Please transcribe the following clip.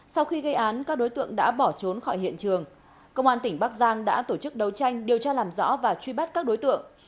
sau khi gây án các đối tượng đã bỏ trốn khỏi hiện trường công an tỉnh bắc giang đã tổ chức đấu tranh điều tra làm rõ và truy bắt các đối tượng